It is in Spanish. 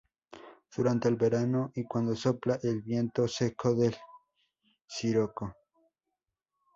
Durante el verano y cuando sopla el viento seco del siroco.